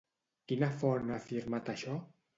Quina font ha afirmat això?